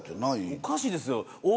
おかしいですよ。